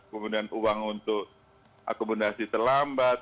kemudian uang untuk akomodasi terlambat